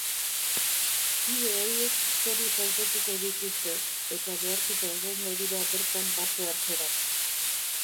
Kide horiek zoriz hautatuko dituzte, eta behartuta egongo dira bertan parte hartzera.